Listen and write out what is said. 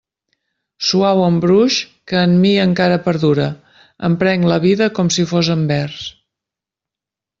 Suau embruix que en mi encara perdura, em prenc la vida com si fos en vers.